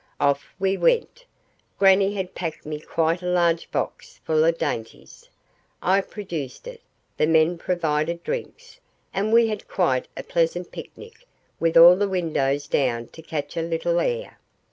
Off we went. Grannie had packed me quite a large box full of dainties. I produced it, the men provided drinks, and we had quite a pleasant picnic, with all the windows down to catch a little air.